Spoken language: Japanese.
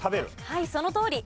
はいそのとおり。